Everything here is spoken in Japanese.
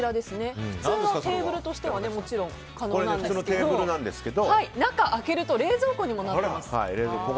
普通のテーブルとしてももちろん可能なんですが中を開けると冷蔵庫にもなっています。